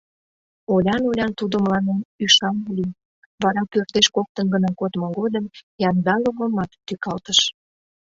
Олян-олян тудо мыланем ӱшан лий, вара пӧртеш коктын гына кодмо годым Яндаловымат тӱкалтыш: